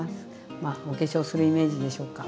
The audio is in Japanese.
まあお化粧するイメージでしょうか。